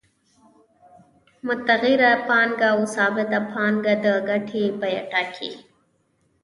متغیره پانګه او ثابته پانګه د ګټې بیه ټاکي